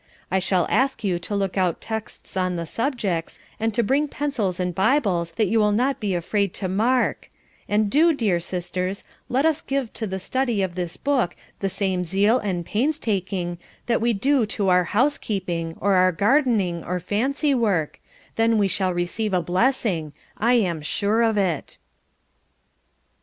I shall ask you to look out texts on the subjects, and to bring pencils and Bibles that you will not be afraid to mark, and do, dear sisters, let us give to the study of this Book the same zeal and painstaking that we do to our housekeeping, or our gardening or fancy work, then we shall receive a blessing I am sure of it."